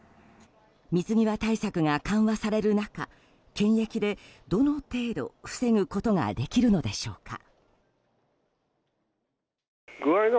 水際対策が緩和される中検疫で、どの程度防ぐことができるのでしょうか。